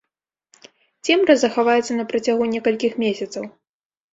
Цемра захаваецца на працягу некалькіх месяцаў.